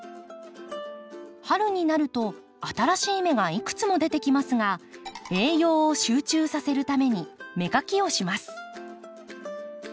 春になると新しい芽がいくつも出てきますが栄養を集中させるために芽かきをします。